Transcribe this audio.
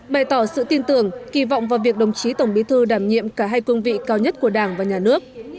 bày tỏ sự tin tưởng kỳ vọng vào việc đồng chí tổng bí thư đảm nhiệm cả hai cương vị cao nhất của đảng và nhà nước